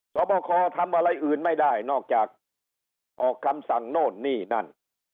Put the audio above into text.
สอบคอทำอะไรอื่นไม่ได้นอกจากออกคำสั่งโน่นนี่นั่น